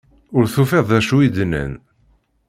Ur tufiḍ d acu i d-nnan.